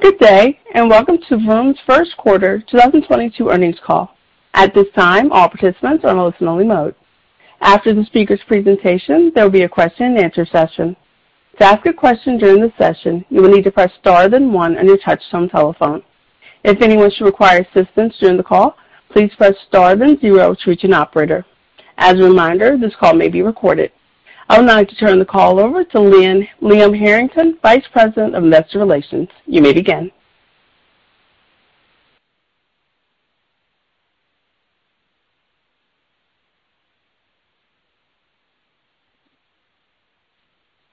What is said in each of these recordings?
Good day and welcome to Vroom's First Quarter 2022 Earnings Call. At this time, all participants are in listen-only mode. After the speaker's presentation, there'll be a question and answer session. To ask a question during the session, you will need to press star then one on your touch tone telephone. If anyone should require assistance during the call, please press star then zero to reach an operator. As a reminder, this call may be recorded. I would now like to turn the call over to Liam Harrington, Vice President of Investor Relations. You may begin.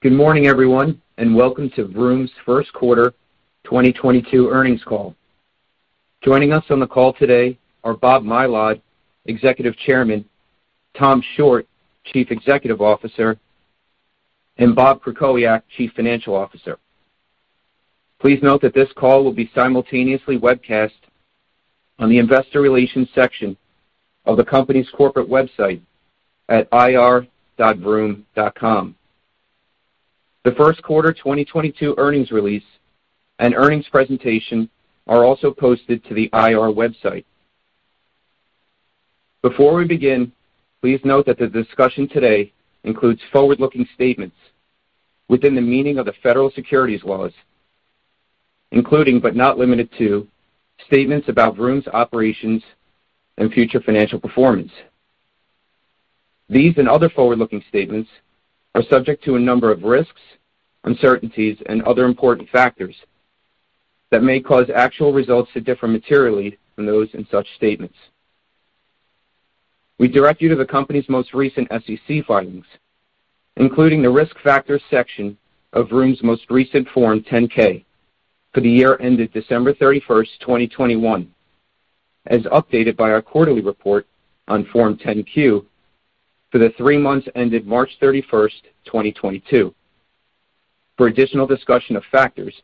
Good morning, everyone and welcome to Vroom's first quarter 2022 earnings call. Joining us on the call today are Bob Mylod, Executive Chairman, Tom Shortt, Chief Executive Officer, and Bob Krakowiak, Chief Financial Officer. Please note that this call will be simultaneously webcast on the investor relations section of the company's corporate website at ir.vroom.com. The first quarter 2022 earnings release and earnings presentation are also posted to the IR website. Before we begin, please note that the discussion today includes forward-looking statements within the meaning of the federal securities laws, including, but not limited to, statements about Vroom's operations and future financial performance. These and other forward-looking statements are subject to a number of risks, uncertainties, and other important factors that may cause actual results to differ materially from those in such statements. We direct you to the company's most recent SEC filings, including the Risk Factors section of Vroom's most recent Form 10-K for the year ended December 31, 2021, as updated by our quarterly report on Form 10-Q for the three months ended March 31, 2022, for additional discussion of factors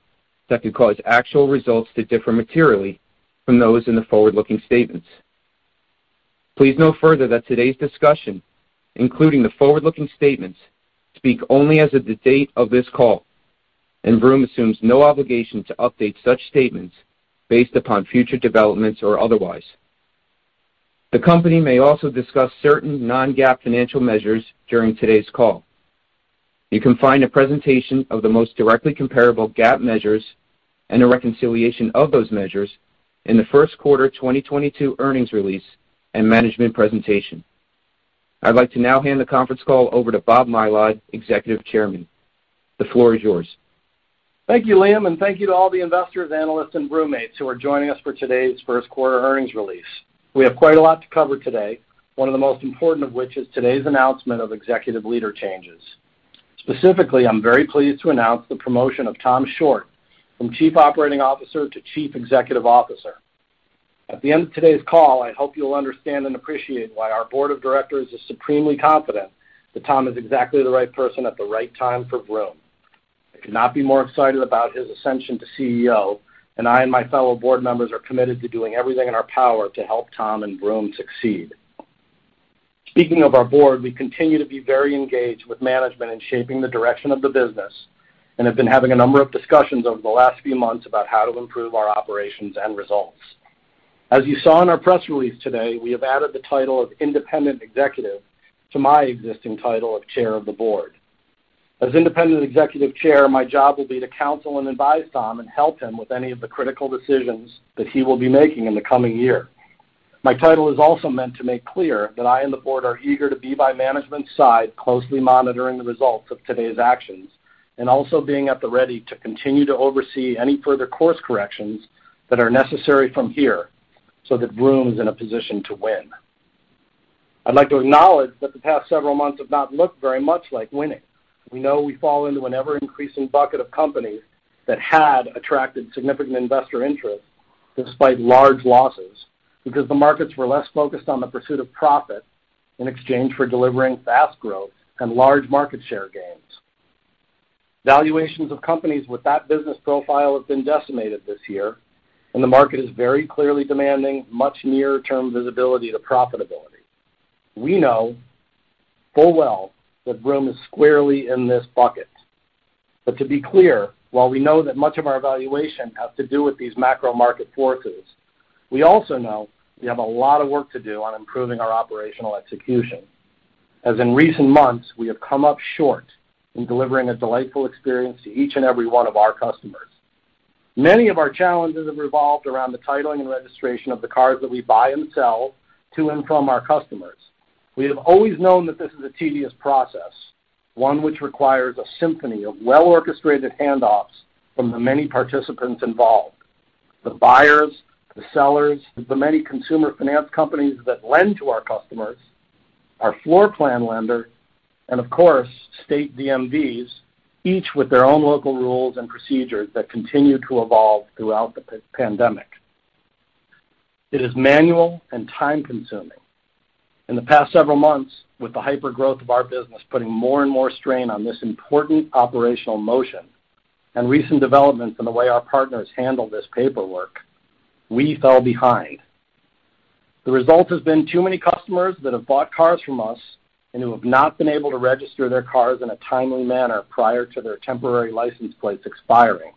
that could cause actual results to differ materially from those in the forward-looking statements. Please note further that today's discussion, including the forward-looking statements, speak only as of the date of this call, and Vroom assumes no obligation to update such statements based upon future developments or otherwise. The company may also discuss certain non-GAAP financial measures during today's call. You can find a presentation of the most directly comparable GAAP measures and a reconciliation of those measures in the first quarter 2022 earnings release and management presentation. I'd like to now hand the conference call over to Bob Mylod, Executive Chairman. The floor is yours. Thank you, Liam and thank you to all the investors, analysts, and Vroommates who are joining us for today's first quarter earnings release. We have quite a lot to cover today, one of the most important of which is today's announcement of executive leader changes. Specifically, I'm very pleased to announce the promotion of Tom Shortt from Chief Operating Officer to Chief Executive Officer. At the end of today's call, I hope you'll understand and appreciate why our board of directors is supremely confident that Tom is exactly the right person at the right time for Vroom. I could not be more excited about his ascension to CEO, and I and my fellow board members are committed to doing everything in our power to help Tom and Vroom succeed. Speaking of our board, we continue to be very engaged with management in shaping the direction of the business and have been having a number of discussions over the last few months about how to improve our operations and results. As you saw in our press release today, we have added the title of Independent Executive to my existing title of Chair of the Board. As Independent Executive Chair, my job will be to counsel and advise Tom and help him with any of the critical decisions that he will be making in the coming year. My title is also meant to make clear that I and the board are eager to be by management's side, closely monitoring the results of today's actions and also being at the ready to continue to oversee any further course corrections that are necessary from here so that Vroom is in a position to win. I'd like to acknowledge that the past several months have not looked very much like winning. We know we fall into an ever-increasing bucket of companies that had attracted significant investor interest despite large losses because the markets were less focused on the pursuit of profit in exchange for delivering fast growth and large market share gains. Valuations of companies with that business profile have been decimated this year and the market is very clearly demanding much near-term visibility to profitability. We know full well that Vroom is squarely in this bucket. To be clear, while we know that much of our valuation has to do with these macro market forces, we also know we have a lot of work to do on improving our operational execution, as in recent months we have come up short in delivering a delightful experience to each and every one of our customers. Many of our challenges have revolved around the titling and registration of the cars that we buy and sell to and from our customers. We have always known that this is a tedious process, one which requires a symphony of well-orchestrated handoffs from the many participants involved. The buyers, the sellers, the many consumer finance companies that lend to our customers, our floor plan lender, and of course, state DMVs, each with their own local rules and procedures that continue to evolve throughout the pandemic. It is manual and time consuming. In the past several months, with the hypergrowth of our business putting more and more strain on this important operational motion and recent developments in the way our partners handle this paperwork, we fell behind. The result has been too many customers that have bought cars from us and who have not been able to register their cars in a timely manner prior to their temporary license plates expiring.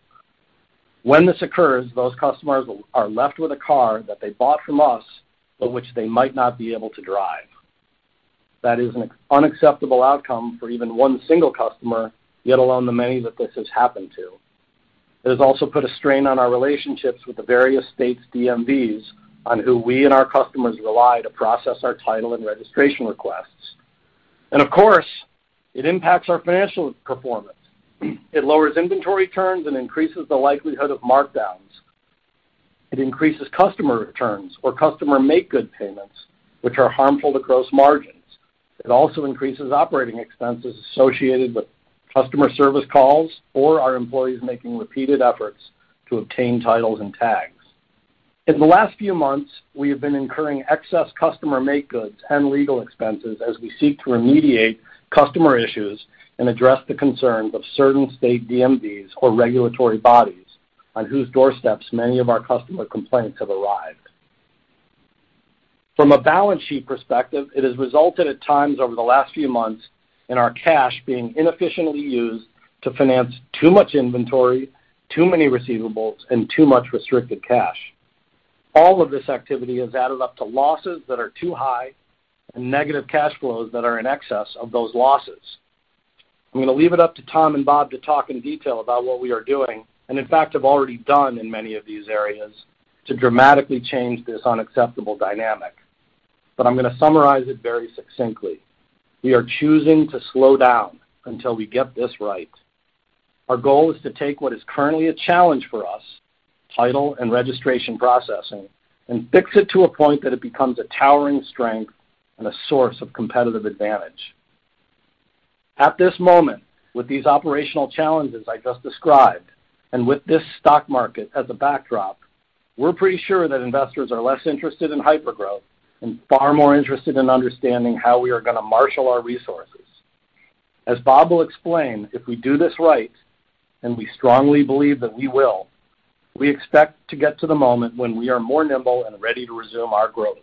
When this occurs, those customers are left with a car that they bought from us but which they might not be able to drive. That is an unacceptable outcome for even one single customer, let alone the many that this has happened to. It has also put a strain on our relationships with the various states' DMVs on who we and our customers rely to process our title and registration requests. Of course, it impacts our financial performance. It lowers inventory turns and increases the likelihood of markdowns. It increases customer returns or customer make-good payments, which are harmful to gross margins. It also increases operating expenses associated with customer service calls or our employees making repeated efforts to obtain titles and tags. In the last few months, we have been incurring excess customer make-goods and legal expenses as we seek to remediate customer issues and address the concerns of certain state DMVs or regulatory bodies on whose doorsteps many of our customer complaints have arrived. From a balance sheet perspective, it has resulted at times over the last few months in our cash being inefficiently used to finance too much inventory, too many receivables, and too much restricted cash. All of this activity has added up to losses that are too high and negative cash flows that are in excess of those losses. I'm going to leave it up to Tom and Bob to talk in detail about what we are doing and in fact have already done in many of these areas, to dramatically change this unacceptable dynamic. I'm going to summarize it very succinctly. We are choosing to slow down until we get this right. Our goal is to take what is currently a challenge for us, title and registration processing, and fix it to a point that it becomes a towering strength and a source of competitive advantage. At this moment, with these operational challenges I just described, and with this stock market as a backdrop, we're pretty sure that investors are less interested in hypergrowth and far more interested in understanding how we are going to marshal our resources. As Bob will explain, if we do this right, and we strongly believe that we will, we expect to get to the moment when we are more nimble and ready to resume our growth.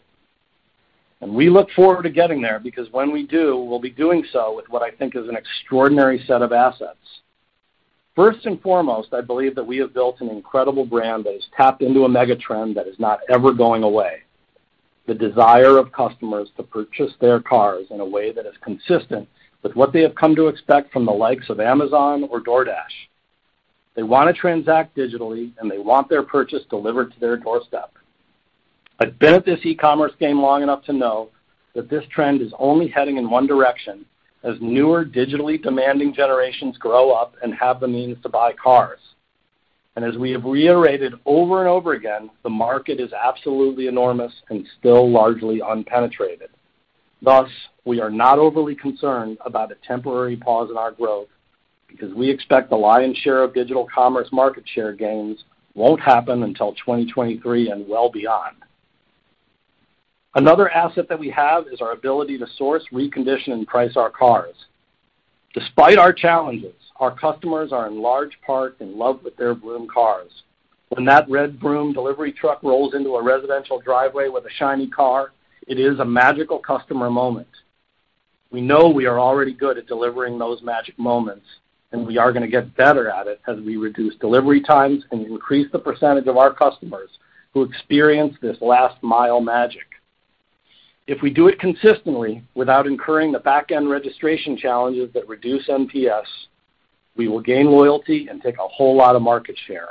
We look forward to getting there because when we do, we'll be doing so with what I think is an extraordinary set of assets. First and foremost, I believe that we have built an incredible brand that has tapped into a mega trend that is not ever going away. The desire of customers to purchase their cars in a way that is consistent with what they have come to expect from the likes of Amazon or DoorDash. They want to transact digitally and they want their purchase delivered to their doorstep. I've been at this e-commerce game long enough to know that this trend is only heading in one direction as newer digitally demanding generations grow up and have the means to buy cars. As we have reiterated over and over again, the market is absolutely enormous and still largely unpenetrated. Thus, we are not overly concerned about a temporary pause in our growth because we expect the lion's share of digital commerce market share gains won't happen until 2023 and well beyond. Another asset that we have is our ability to source, recondition, and price our cars. Despite our challenges, our customers are in large part in love with their Vroom cars. When that red Vroom delivery truck rolls into a residential driveway with a shiny car, it is a magical customer moment. We know we are already good at delivering those magic moments, and we are going to get better at it as we reduce delivery times and increase the percentage of our customers who experience this last-mile magic. If we do it consistently without incurring the back-end registration challenges that reduce NPS, we will gain loyalty and take a whole lot of market share.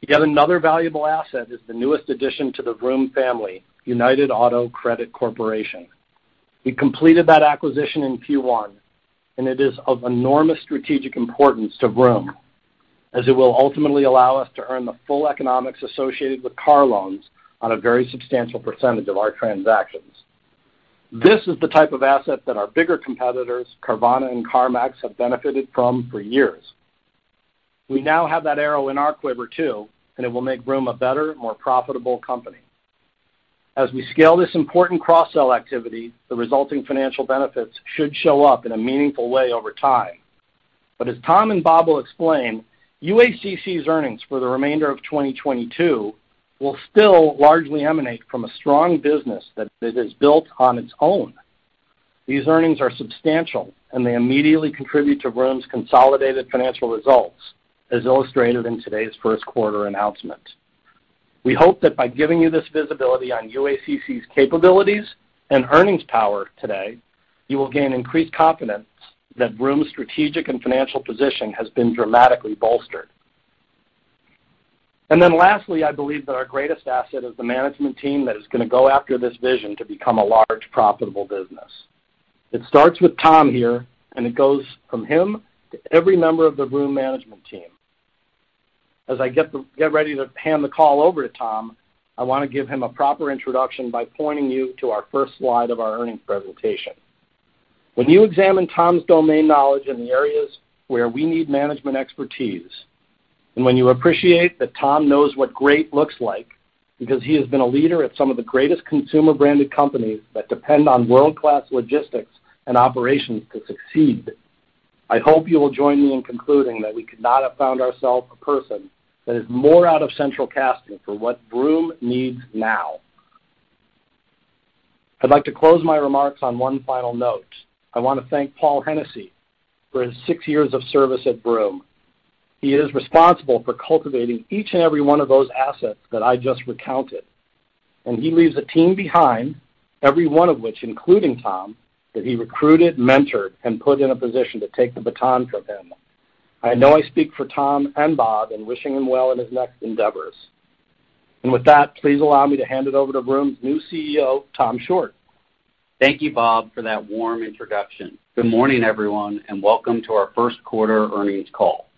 Yet another valuable asset is the newest addition to the Vroom family, United Auto Credit Corporation. We completed that acquisition in Q1 and it is of enormous strategic importance to Vroom as it will ultimately allow us to earn the full economics associated with car loans on a very substantial percentage of our transactions. This is the type of asset that our bigger competitors, Carvana and CarMax, have benefited from for years. We now have that arrow in our quiver too, and it will make Vroom a better, more profitable company. As we scale this important cross-sell activity, the resulting financial benefits should show up in a meaningful way over time. As Tom and Bob will explain, UACC's earnings for the remainder of 2022 will still largely emanate from a strong business that it has built on its own. These earnings are substantial, and they immediately contribute to Vroom's consolidated financial results, as illustrated in today's first quarter announcement. We hope that by giving you this visibility on UACC's capabilities and earnings power today, you will gain increased confidence that Vroom's strategic and financial position has been dramatically bolstered. Lastly, I believe that our greatest asset is the management team that is going to go after this vision to become a large, profitable business. It starts with Tom here, and it goes from him to every member of the Vroom management team. As I get ready to hand the call over to Tom, I want to give him a proper introduction by pointing you to our first slide of our earnings presentation. When you examine Tom's domain knowledge in the areas where we need management expertise and when you appreciate that Tom knows what great looks like because he has been a leader at some of the greatest consumer-branded companies that depend on world-class logistics and operations to succeed. I hope you will join me in concluding that we could not have found ourselves a person that is more out of central casting for what Vroom needs now. I'd like to close my remarks on one final note. I want to thank Paul Hennessy for his six years of service at Vroom. He is responsible for cultivating each and every one of those assets that I just recounted and he leaves a team behind, every one of which, including Tom, that he recruited, mentored, and put in a position to take the baton from him. I know I speak for Tom and Bob in wishing him well in his next endeavors. With that, please allow me to hand it over to Vroom's new CEO, Tom Shortt. Thank you, Bob for that warm introduction. Good morning, everyone and welcome to our first quarter earnings call.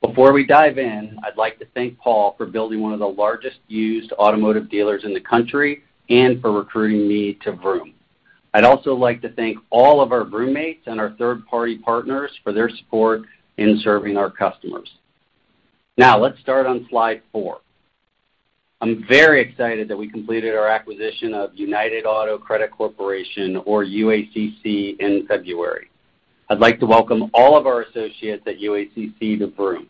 Before we dive in, I'd like to thank Paul for building one of the largest used automotive dealers in the country and for recruiting me to Vroom. I'd also like to thank all of our Vroommates and our third-party partners for their support in serving our customers. Now, let's start on slide four. I'm very excited that we completed our acquisition of United Auto Credit Corporation or UACC in February. I'd like to welcome all of our associates at UACC to Vroom.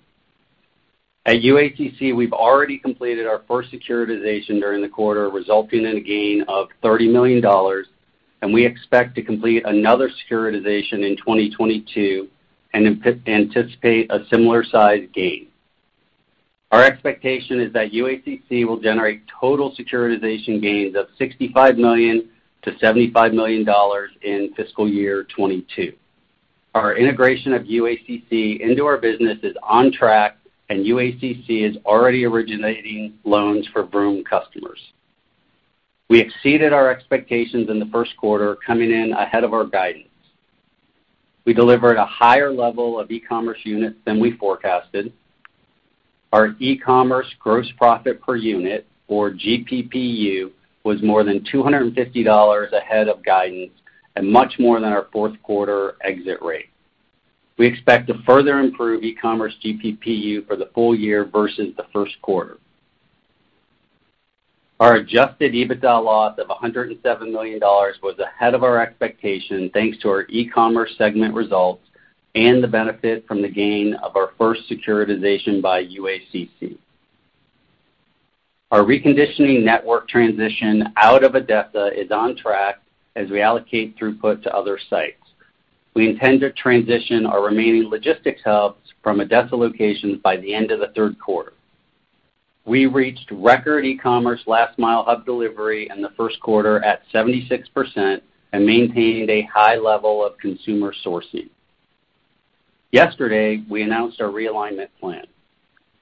At UACC, we've already completed our first securitization during the quarter, resulting in a gain of $30 million and we expect to complete another securitization in 2022 and anticipate a similar size gain. Our expectation is that UACC will generate total securitization gains of $65 million-$75 million in fiscal year 2022. Our integration of UACC into our business is on track and UACC is already originating loans for Vroom customers. We exceeded our expectations in the first quarter, coming in ahead of our guidance. We delivered a higher level of e-commerce units than we forecasted. Our e-commerce gross profit per unit, or GPPU, was more than $250 ahead of guidance and much more than our fourth quarter exit rate. We expect to further improve e-commerce GPPU for the full year versus the first quarter. Our adjusted EBITDA loss of $107 million was ahead of our expectation, thanks to our e-commerce segment results and the benefit from the gain of our first securitization by UACC. Our reconditioning network transition out of ADESA is on track as we allocate throughput to other sites. We intend to transition our remaining logistics hubs from ADESA locations by the end of the third quarter. We reached record e-commerce last mile hub delivery in the first quarter at 76% and maintained a high level of consumer sourcing. Yesterday, we announced our realignment plan.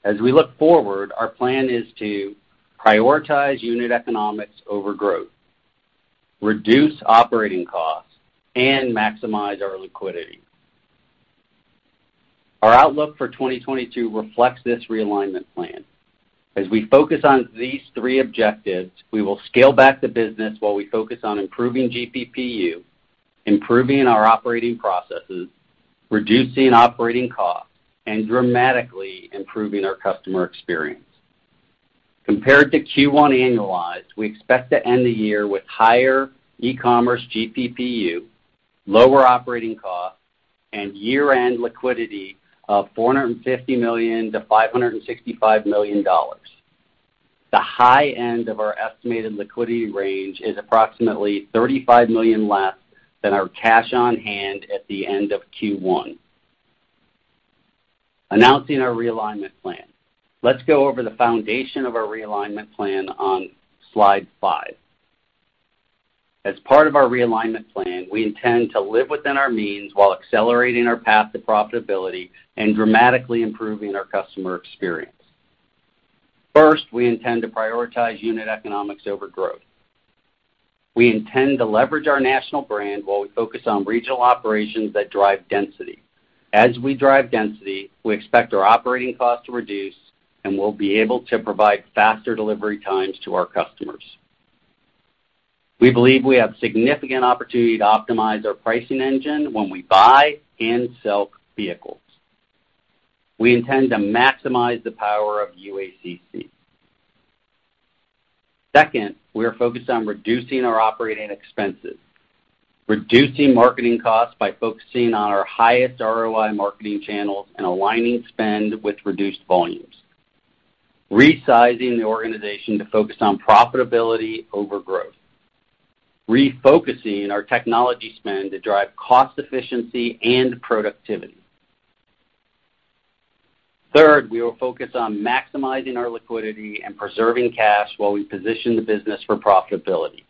As we look forward, our plan is to prioritize unit economics over growth, reduce operating costs, and maximize our liquidity. Our outlook for 2022 reflects this realignment plan. As we focus on these three objectives, we will scale back the business while we focus on improving GPPU, improving our operating processes, reducing operating costs, and dramatically improving our customer experience. Compared to Q1 annualized, we expect to end the year with higher e-commerce GPPU, lower operating costs, and year-end liquidity of $450 million-$565 million. The high end of our estimated liquidity range is approximately $35 million less than our cash on hand at the end of Q1. Announcing our realignment plan. Let's go over the foundation of our realignment plan on slide five. As part of our realignment plan, we intend to live within our means while accelerating our path to profitability and dramatically improving our customer experience. First, we intend to prioritize unit economics over growth. We intend to leverage our national brand while we focus on regional operations that drive density. As we drive density, we expect our operating costs to reduce and we'll be able to provide faster delivery times to our customers. We believe we have significant opportunity to optimize our pricing engine when we buy and sell vehicles. We intend to maximize the power of UACC. Second, we are focused on reducing our operating expenses. Reducing marketing costs by focusing on our highest ROI marketing channels and aligning spend with reduced volumes. Resizing the organization to focus on profitability over growth. Refocusing our technology spend to drive cost efficiency and productivity. Third, we will focus on maximizing our liquidity and preserving cash while we position the business for profitability.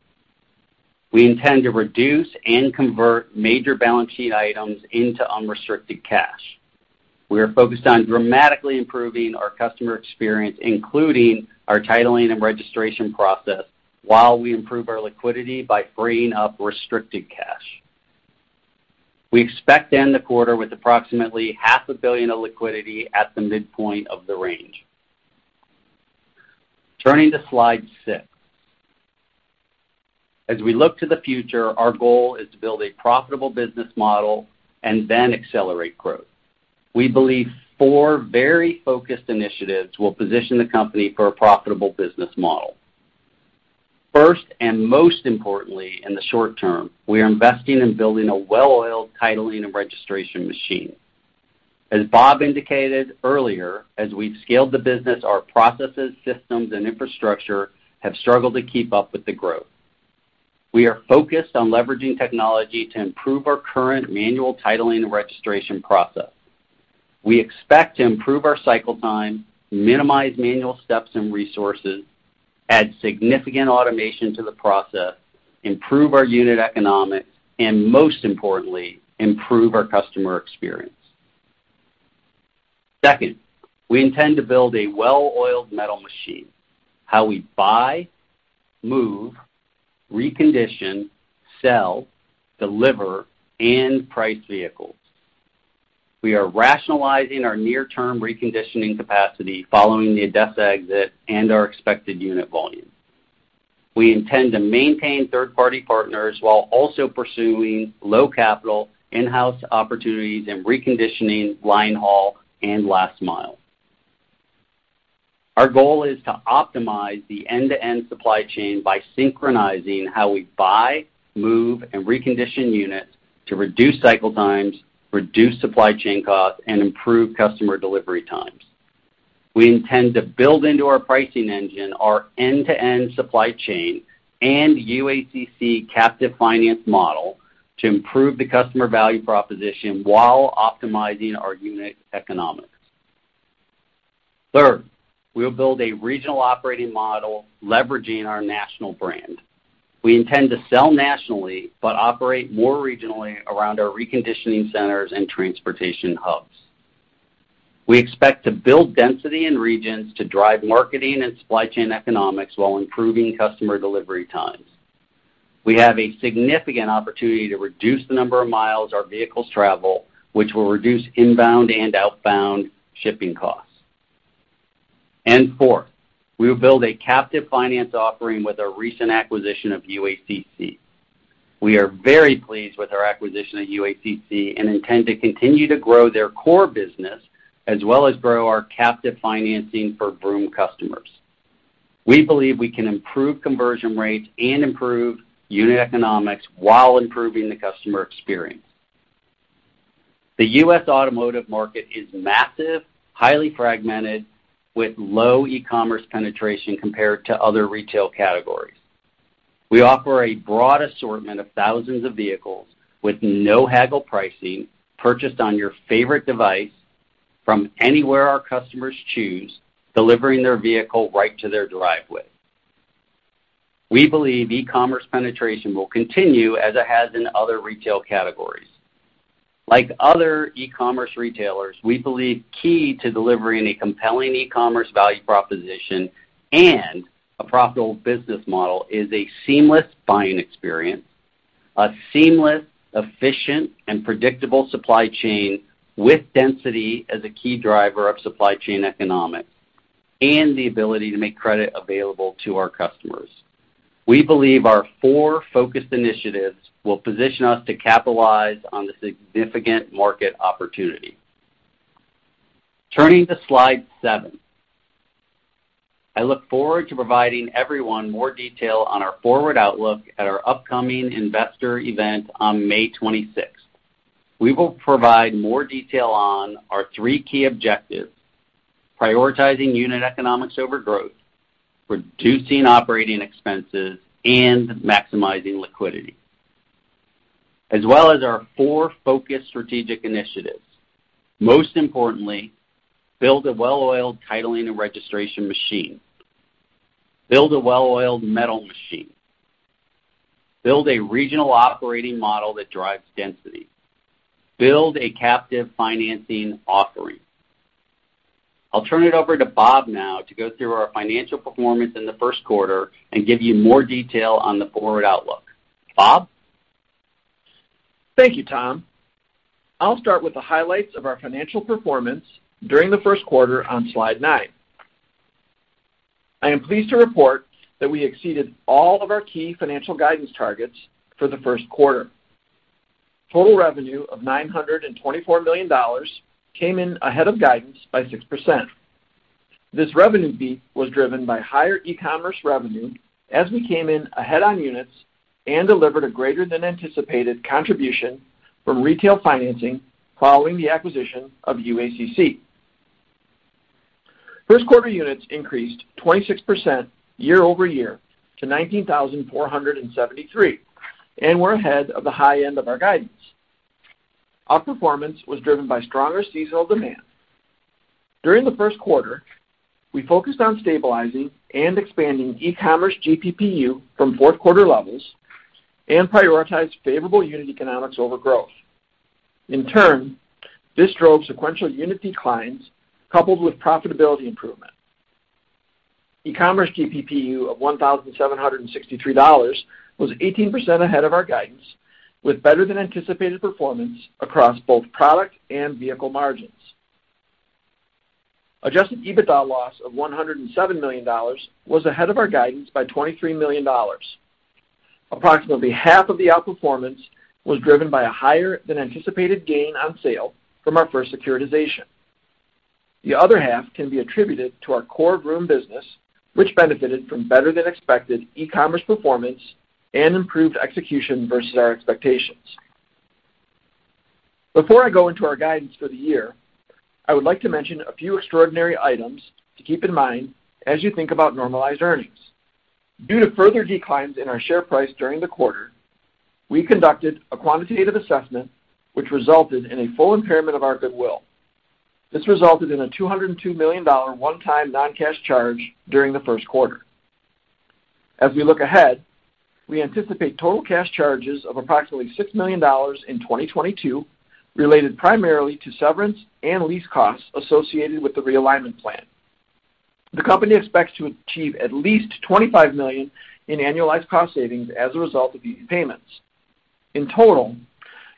We intend to reduce and convert major balance sheet items into unrestricted cash. We are focused on dramatically improving our customer experience, including our titling and registration process, while we improve our liquidity by freeing up restricted cash. We expect to end the quarter with approximately $500 million of liquidity at the midpoint of the range. Turning to slide six. As we look to the future, our goal is to build a profitable business model and then accelerate growth. We believe four very focused initiatives will position the company for a profitable business model. First, and most importantly, in the short term, we are investing in building a well-oiled titling and registration machine. As Bob indicated earlier, as we've scaled the business, our processes, systems, and infrastructure have struggled to keep up with the growth. We are focused on leveraging technology to improve our current manual titling and registration process. We expect to improve our cycle time, minimize manual steps and resources, add significant automation to the process, improve our unit economics, and most importantly, improve our customer experience. Second, we intend to build a well-oiled metal machine. How we buy, move, recondition, sell, deliver, and price vehicles. We are rationalizing our near-term reconditioning capacity following the ADESA exit and our expected unit volume. We intend to maintain third-party partners while also pursuing low capital in-house opportunities in reconditioning line haul and last mile. Our goal is to optimize the end-to-end supply chain by synchronizing how we buy, move, and recondition units to reduce cycle times, reduce supply chain costs, and improve customer delivery times. We intend to build into our pricing engine our end-to-end supply chain and UACC captive finance model to improve the customer value proposition while optimizing our unit economics. Third, we'll build a regional operating model leveraging our national brand. We intend to sell nationally, but operate more regionally around our reconditioning centers and transportation hubs. We expect to build density in regions to drive marketing and supply chain economics while improving customer delivery times. We have a significant opportunity to reduce the number of miles our vehicles travel, which will reduce inbound and outbound shipping costs. Fourth, we will build a captive finance offering with our recent acquisition of UACC. We are very pleased with our acquisition of UACC and intend to continue to grow their core business, as well as grow our captive financing for Vroom customers. We believe we can improve conversion rates and improve unit economics while improving the customer experience. The U.S. automotive market is massive, highly fragmented, with low e-commerce penetration compared to other retail categories. We offer a broad assortment of thousands of vehicles with no haggle pricing purchased on your favorite device from anywhere our customers choose, delivering their vehicle right to their driveway. We believe e-commerce penetration will continue as it has in other retail categories. Like other e-commerce retailers, we believe key to delivering a compelling e-commerce value proposition and a profitable business model is a seamless buying experience, a seamless, efficient, and predictable supply chain with density as a key driver of supply chain economics, and the ability to make credit available to our customers. We believe our four focused initiatives will position us to capitalize on the significant market opportunity. Turning to slide seven. I look forward to providing everyone more detail on our forward outlook at our upcoming investor event on May 26th. We will provide more detail on our three key objectives, prioritizing unit economics over growth, reducing operating expenses, and maximizing liquidity, as well as our four focused strategic initiatives. Most importantly, build a well-oiled titling and registration machine. Build a well-oiled metal machine build a regional operating model that drives density, build a captive financing offering. I'll turn it over to Bob now to go through our financial performance in the first quarter and give you more detail on the forward outlook. Bob? Thank you, Tom. I'll start with the highlights of our financial performance during the first quarter on slide nine. I am pleased to report that we exceeded all of our key financial guidance targets for the first quarter. Total revenue of $924 million came in ahead of guidance by 6%. This revenue beat was driven by higher e-commerce revenue as we came in ahead on units and delivered a greater than anticipated contribution from retail financing following the acquisition of UACC. First quarter units increased 26% year-over-year to 19,473 and were ahead of the high end of our guidance. Our performance was driven by stronger seasonal demand. During the first quarter, we focused on stabilizing and expanding e-commerce GPPU from fourth quarter levels and prioritized favorable unit economics over growth. In turn, this drove sequential unit declines coupled with profitability improvement. E-commerce GPPU of $1,763 was 18% ahead of our guidance, with better than anticipated performance across both product and vehicle margins. Adjusted EBITDA loss of $107 million was ahead of our guidance by $23 million. Approximately half of the outperformance was driven by a higher than anticipated gain on sale from our first securitization. The other half can be attributed to our core Vroom business which benefited from better than expected e-commerce performance and improved execution versus our expectations. Before I go into our guidance for the year, I would like to mention a few extraordinary items to keep in mind as you think about normalized earnings. Due to further declines in our share price during the quarter, we conducted a quantitative assessment which resulted in a full impairment of our goodwill. This resulted in a $202 million one-time non-cash charge during the first quarter. As we look ahead, we anticipate total cash charges of approximately $60 million in 2022 related primarily to severance and lease costs associated with the realignment plan. The company expects to achieve at least $25 million in annualized cost savings as a result of these payments. In total,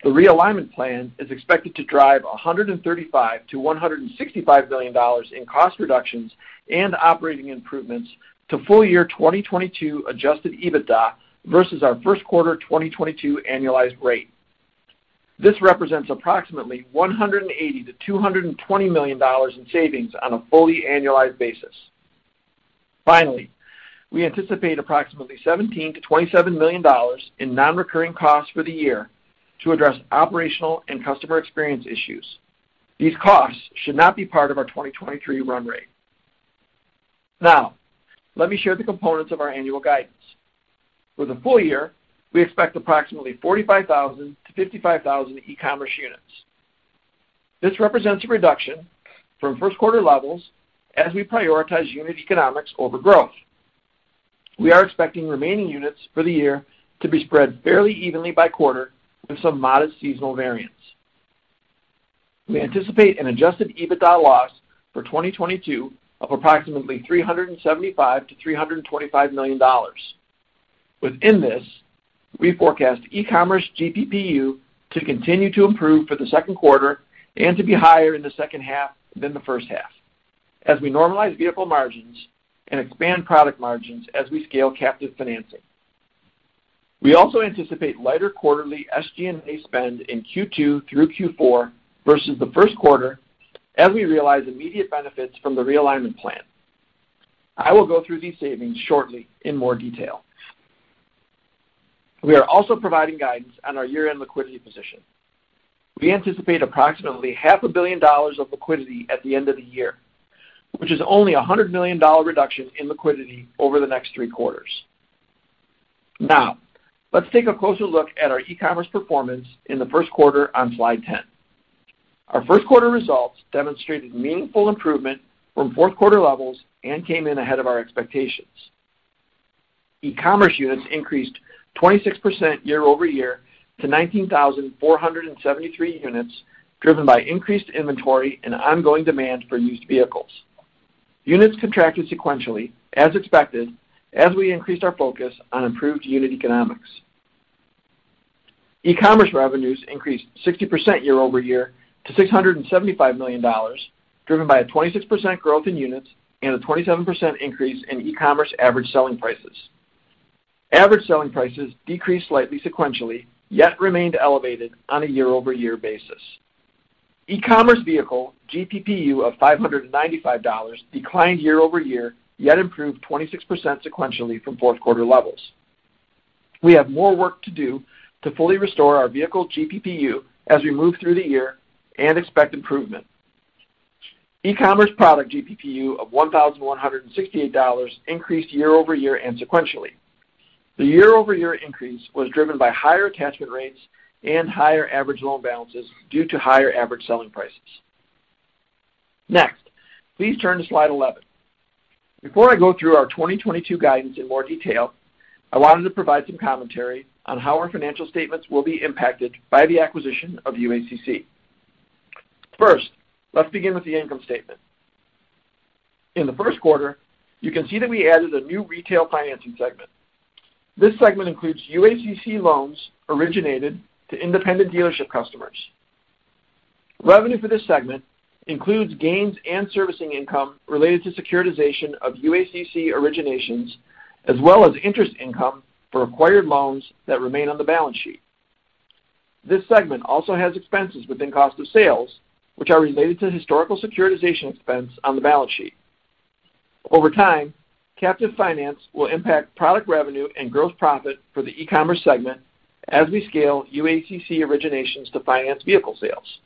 the realignment plan is expected to drive $135 million-$165 million in cost reductions and operating improvements to full year 2022 adjusted EBITDA versus our first quarter 2022 annualized rate. This represents approximately $180 million-$220 million in savings on a fully annualized basis. Finally, we anticipate approximately $17 million-$27 million in non-recurring costs for the year to address operational and customer experience issues. These costs should not be part of our 2023 run rate. Now let me share the components of our annual guidance. For the full year, we expect approximately 45,000-55,000 e-commerce units. This represents a reduction from first quarter levels as we prioritize unit economics over growth. We are expecting remaining units for the year to be spread fairly evenly by quarter with some modest seasonal variance. We anticipate an adjusted EBITDA loss for 2022 of approximately $375 million-$325 million. Within this, we forecast e-commerce GPPU to continue to improve for the second quarter and to be higher in the second half than the first half as we normalize vehicle margins and expand product margins as we scale captive financing. We also anticipate lighter quarterly SG&A spend in Q2 through Q4 versus the first quarter as we realize immediate benefits from the realignment plan. I will go through these savings shortly in more detail. We are also providing guidance on our year-end liquidity position. We anticipate approximately $500 milion of liquidity at the end of the year, which is only a $100 million reduction in liquidity over the next three quarters. Now, let's take a closer look at our e-commerce performance in the first quarter on slide 10. Our first quarter results demonstrated meaningful improvement from fourth quarter levels and came in ahead of our expectations. E-commerce units increased 26% year-over-year to 19,473 units, driven by increased inventory and ongoing demand for used vehicles. Units contracted sequentially as expected as we increased our focus on improved unit economics. E-commerce revenues increased 60% year-over-year to $675 million, driven by a 26% growth in units and a 27% increase in e-commerce average selling prices. Average selling prices decreased slightly sequentially, yet remained elevated on a year-over-year basis. E-commerce vehicle GPPU of $595 declined year-over-year, yet improved 26% sequentially from fourth quarter levels. We have more work to do to fully restore our vehicle GPPU as we move through the year and expect improvement. E-commerce product GPPU of $1,168 increased year-over-year and sequentially. The year-over-year increase was driven by higher attachment rates and higher average loan balances due to higher average selling prices. Next, please turn to slide 11. Before I go through our 2022 guidance in more detail, I wanted to provide some commentary on how our financial statements will be impacted by the acquisition of UACC. First, let's begin with the income statement. In the first quarter, you can see that we added a new retail financing segment. This segment includes UACC loans originated to independent dealership customers. Revenue for this segment includes gains and servicing income related to securitization of UACC originations, as well as interest income for acquired loans that remain on the balance sheet. This segment also has expenses within cost of sales, which are related to historical securitization expense on the balance sheet. Over time, captive finance will impact product revenue and gross profit for the e-commerce segment as we scale UACC originations to finance vehicle sales.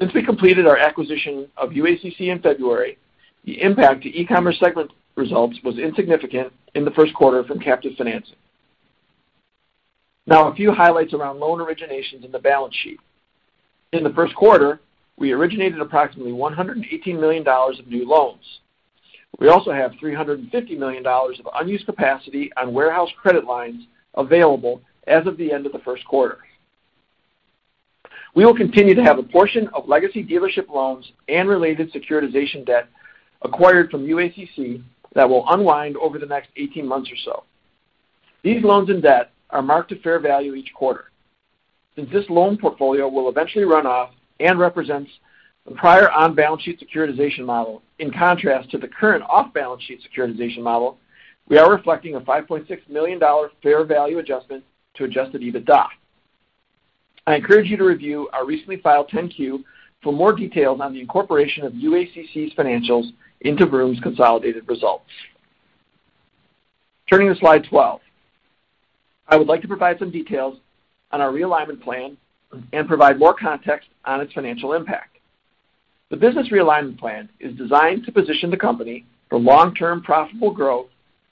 Since we completed our acquisition of UACC in February, the impact to e-commerce segment results was insignificant in the first quarter from captive financing. Now a few highlights around loan originations in the balance sheet. In the first quarter, we originated approximately $118 million of new loans. We also have $350 million of unused capacity on warehouse credit lines available as of the end of the first quarter. We will continue to have a portion of legacy dealership loans and related securitization debt acquired from UACC that will unwind over the next 18 months or so. These loans and debt are marked to fair value each quarter. Since this loan portfolio will eventually run off and represents the prior on-balance sheet securitization model, in contrast to the current off-balance sheet securitization model, we are reflecting a $5.6 million fair value adjustment to adjusted EBITDA. I encourage you to review our recently filed 10-Q for more details on the incorporation of UACC's financials into Vroom's consolidated results. Turning to slide 12. I would like to provide some details on our realignment plan and provide more context on its financial impact. The business realignment plan is designed to position the company for long-term profitable growth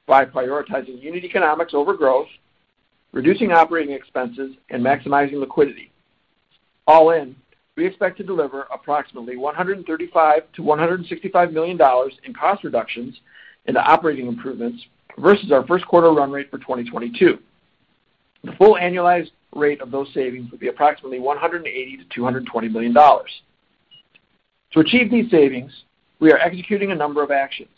by prioritizing unit economics over growth, reducing operating expenses, and maximizing liquidity. All in, we expect to deliver approximately $135 million-$165 million in cost reductions in the operating improvements versus our first quarter run rate for 2022. The full annualized rate of those savings would be approximately $180 million-$220 million. To achieve these savings, we are executing a number of actions.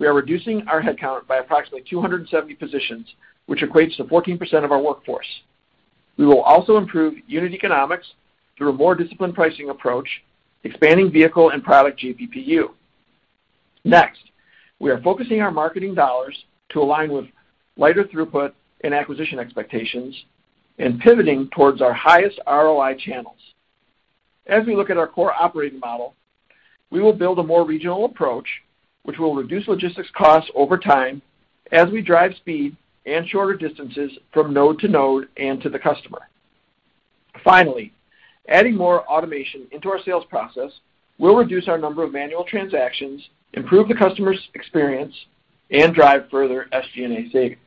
We are reducing our headcount by approximately 270 positions, which equates to 14% of our workforce. We will also improve unit economics through a more disciplined pricing approach, expanding vehicle and product GPPU. Next, we are focusing our marketing dollars to align with lighter throughput and acquisition expectations and pivoting towards our highest ROI channels. As we look at our core operating model, we will build a more regional approach which will reduce logistics costs over time as we drive speed and shorter distances from node to node and to the customer. Finally, adding more automation into our sales process will reduce our number of manual transactions, improve the customer's experience, and drive further SG&A savings.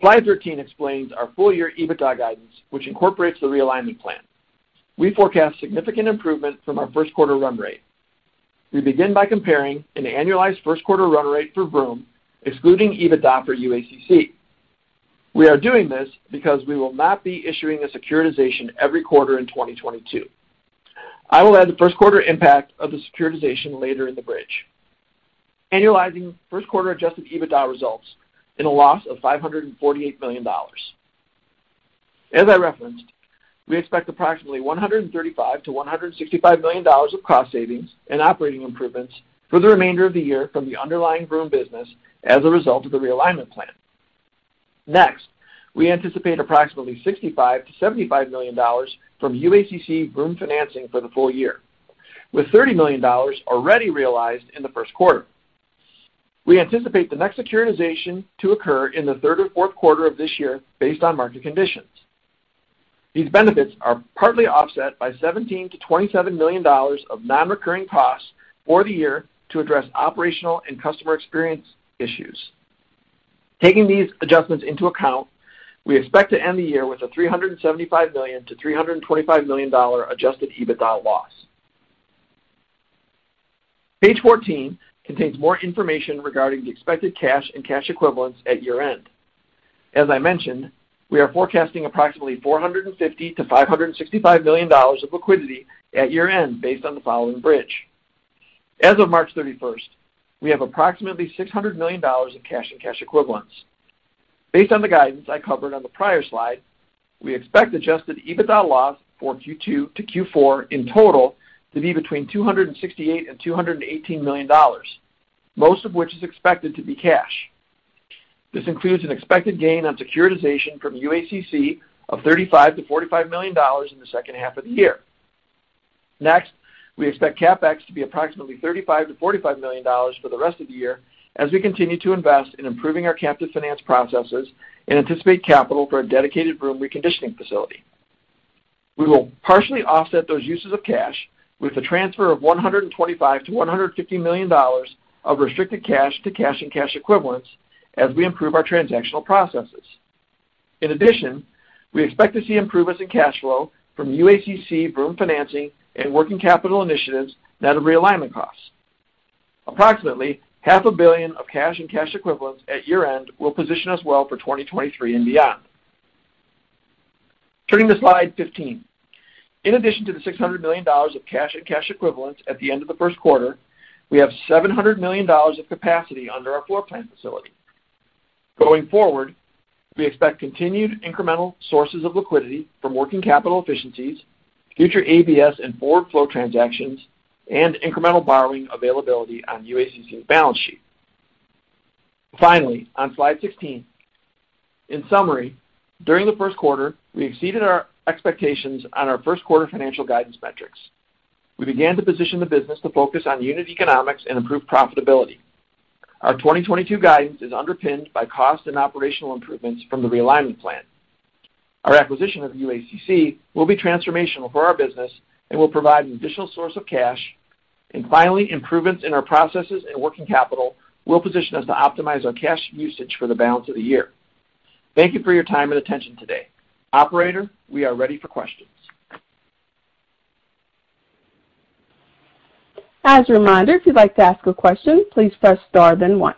Slide 13 explains our full year EBITDA guidance, which incorporates the realignment plan. We forecast significant improvement from our first quarter run rate. We begin by comparing an annualized first quarter run rate for Vroom, excluding EBITDA for UACC. We are doing this because we will not be issuing a securitization every quarter in 2022. I will add the first quarter impact of the securitization later in the bridge. Annualizing first quarter adjusted EBITDA results in a loss of $548 million. As I referenced, we expect approximately $135 million-$165 million of cost savings and operating improvements for the remainder of the year from the underlying Vroom business as a result of the realignment plan. Next, we anticipate approximately $65 million-$75 million from UACC Vroom financing for the full year, with $30 million already realized in the first quarter. We anticipate the next securitization to occur in the third or fourth quarter of this year based on market conditions. These benefits are partly offset by $17 million-$27 million of non-recurring costs for the year to address operational and customer experience issues. Taking these adjustments into account, we expect to end the year with a $375 million-$325 million adjusted EBITDA loss. Page 14 contains more information regarding the expected cash and cash equivalents at year-end. As I mentioned, we are forecasting approximately $450-$565 million of liquidity at year-end based on the following bridge. As of March 31, we have approximately $600 million of cash and cash equivalents. Based on the guidance I covered on the prior slide, we expect adjusted EBITDA loss for Q2 to Q4 in total to be between $268 million and $218 million, most of which is expected to be cash. This includes an expected gain on securitization from UACC of $35 million-$45 million in the second half of the year. Next, we expect CapEx to be approximately $35 million-$45 million for the rest of the year as we continue to invest in improving our captive finance processes and anticipate capital for a dedicated Vroom reconditioning facility. We will partially offset those uses of cash with a transfer of $125 million-$150 million of restricted cash to cash and cash equivalents as we improve our transactional processes. In addition, we expect to see improvements in cash flow from UACC and Vroom financing and working capital initiatives net of realignment costs. Approximately $500 million of cash and cash equivalents at year-end will position us well for 2023 and beyond. Turning to slide 15. In addition to the $600 million of cash and cash equivalents at the end of the first quarter, we have $700 million of capacity under our floor plan facility. Going forward, we expect continued incremental sources of liquidity from working capital efficiencies, future ABS and whole-loan transactions, and incremental borrowing availability on UACC's balance sheet. Finally, on slide 16. In summary, during the first quarter, we exceeded our expectations on our first quarter financial guidance metrics. We began to position the business to focus on unit economics and improve profitability. Our 2022 guidance is underpinned by cost and operational improvements from the realignment plan. Our acquisition of UACC will be transformational for our business and will provide an additional source of cash. Finally, improvements in our processes and working capital will position us to optimize our cash usage for the balance of the year. Thank you for your time and attention today. Operator, we are ready for questions. As a reminder, if you'd like to ask a question, please press star then one.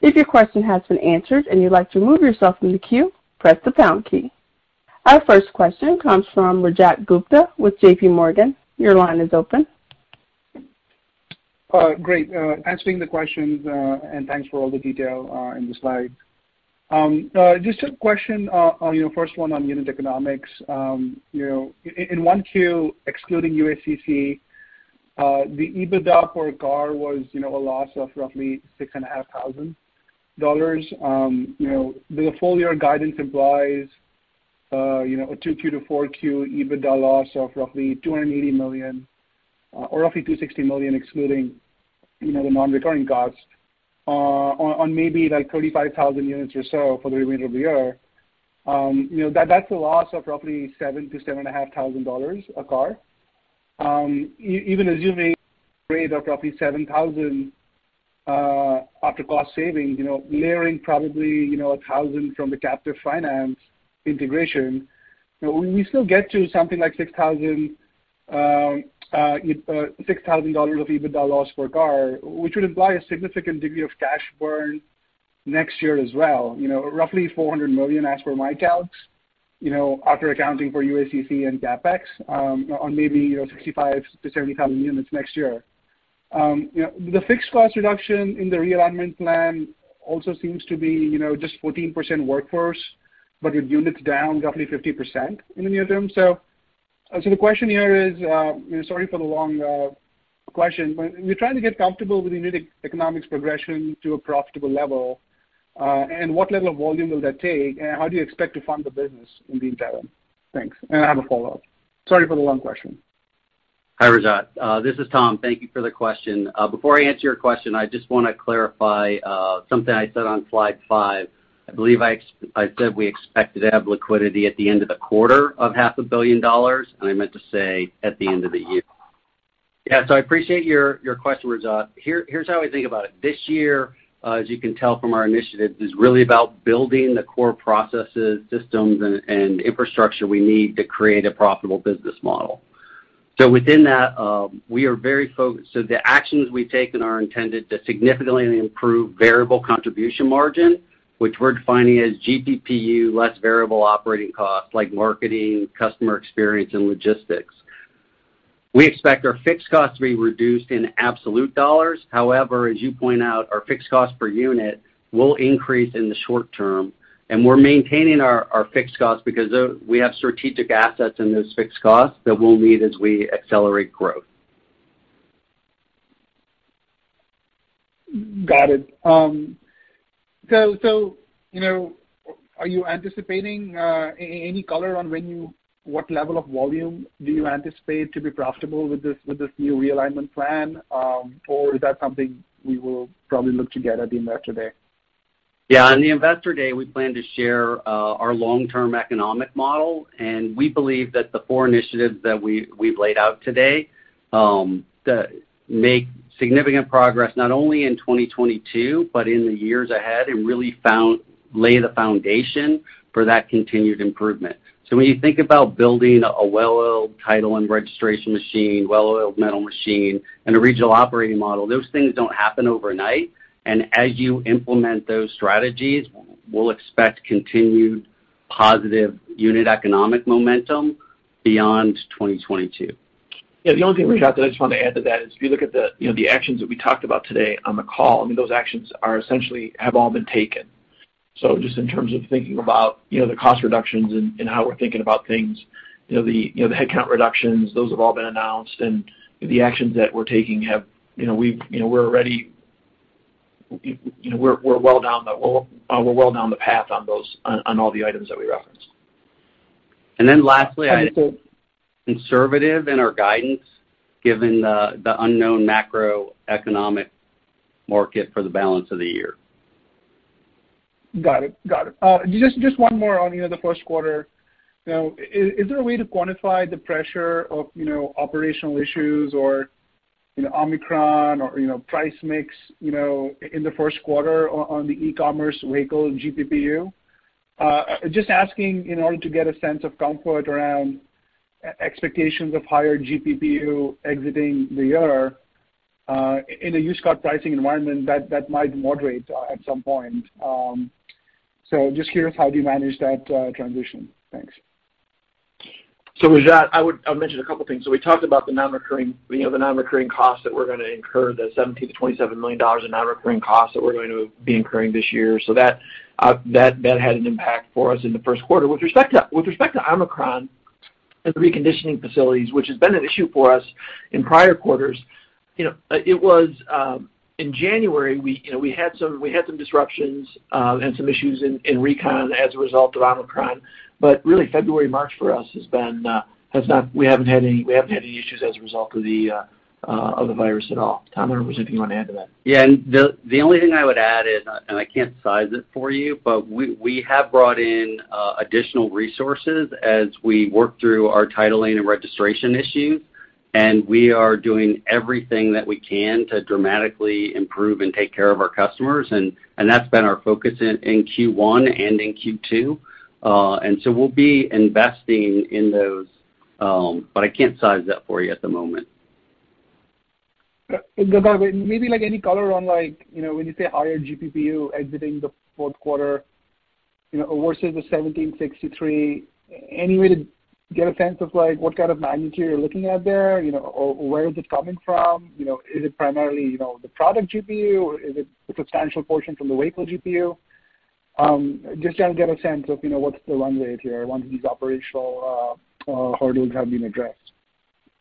If your question has been answered and you'd like to remove yourself from the queue, press the pound key. Our first question comes from Rajat Gupta with JPMorgan. Your line is open. Great. Answering the questions and thanks for all the detail in the slides. Just a question on your first one on unit economics. You know, in 1Q, excluding UACC, the EBITDA per car was, you know, a loss of roughly $6,500. You know, the full year guidance implies, you know, a 2Q-4Q EBITDA loss of roughly $280 million, or roughly $260 million excluding, you know, the non-recurring costs, on maybe like 35,000 units or so for the remainder of the year. You know, that's a loss of roughly $7,000-$7,500 a car. Even assuming rate of roughly $7,000, after cost savings, you know, layering probably, you know, 1,000 from the captive finance integration, you know, when we still get to something like $6,000 of EBITDA loss per car, which would imply a significant degree of cash burn next year as well, you know, roughly $400 million as per my calcs, you know, after accounting for UACC and CapEx, on maybe, you know, 65,000-70,000 units next year. You know, the fixed cost reduction in the realignment plan also seems to be, you know, just 14% workforce, but with units down roughly 50% in the near term. The question here is, sorry for the long question but we're trying to get comfortable with the unit economics progression to a profitable level, and what level of volume will that take, and how do you expect to fund the business in the interim? Thanks. I have a follow-up. Sorry for the long question. Hi, Rajat. This is Tom. Thank you for the question. Before I answer your question, I just wanna clarify something I said on slide five. I believe I said we expected to have liquidity at the end of the quarter of $500 million, and I meant to say at the end of the year. I appreciate your question, Rajat. Here's how we think about it. This year, as you can tell from our initiatives, is really about building the core processes, systems, and infrastructure we need to create a profitable business model. Within that, we are very focused. The actions we've taken are intended to significantly improve variable contribution margin, which we're defining as GPPU less variable operating costs like marketing, customer experience, and logistics. We expect our fixed costs to be reduced in absolute dollars. However, as you point out, our fixed cost per unit will increase in the short term, and we're maintaining our fixed costs because we have strategic assets in those fixed costs that we'll need as we accelerate growth. Got it. So, you know, are you anticipating any color on what level of volume do you anticipate to be profitable with this new realignment plan? Or is that something we will probably look to get at the Investor Day? Yeah. On the Investor Day, we plan to share our long-term economic model, and we believe that the four initiatives that we've laid out today make significant progress not only in 2022 but in the years ahead and really lay the foundation for that continued improvement. When you think about building a well-oiled title and registration machine, well-oiled metal machine and a regional operating model, those things don't happen overnight. As you implement those strategies, we'll expect continued positive unit economic momentum beyond 2022. Yeah. The only thing, Rajat, that I just want to add to that is if you look at the, you know, the actions that we talked about today on the call. I mean, those actions have essentially all been taken. Just in terms of thinking about, you know, the cost reductions and how we're thinking about things, you know, the headcount reductions, those have all been announced, and the actions that we're taking, you know, we're already well down the path on those, on all the items that we referenced. Lastly, I'd be conservative in our guidance given the unknown macroeconomic market for the balance of the year. Got it. Just one more on, you know, the first quarter. You know, is there a way to quantify the pressure of, you know, operational issues or, you know, Omicron or, you know, price mix, you know, in the first quarter on the e-commerce vehicle GPPU? Just asking in order to get a sense of comfort around expectations of higher GPPU exiting the year, in a used car pricing environment that might moderate at some point. Just curious how do you manage that transition. Thanks. Rajat, I'll mention a couple things. We talked about the non-recurring, you know, the non-recurring costs that we're gonna incur, the $17 million-$27 million in non-recurring costs that we're going to be incurring this year. That had an impact for us in the first quarter. With respect to Omicron and reconditioning facilities, which has been an issue for us in prior quarters, you know, it was in January, we, you know, we had some disruptions and some issues in recon as a result of Omicron. But really February, March for us has been. We haven't had any issues as a result of the virus at all. Tom, I don't know if there's anything you wanna add to that. Yeah. The only thing I would add is, and I can't size it for you, but we have brought in additional resources as we work through our titling and registration issues, and we are doing everything that we can to dramatically improve and take care of our customers. That's been our focus in Q1 and in Q2. We'll be investing in those, but I can't size that for you at the moment. Yeah. Maybe like any color on like, you know, when you say higher GPPU exiting the fourth quarter, you know, versus the $1,763. Any way to get a sense of like what kind of magnitude you're looking at there, you know, or where is it coming from? You know, is it primarily, you know, the product GPU, or is it a substantial portion from the UACC GPU? Just trying to get a sense of, you know, what's the run rate here once these operational hurdles have been addressed?